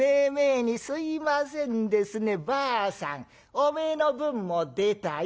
おめえの分も出たよ。